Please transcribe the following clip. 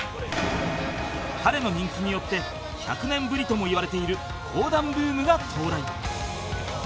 彼の人気によって１００年ぶりともいわれている講談ブームが到来